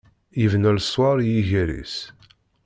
Yebna leṣwaṛ i yiger-is.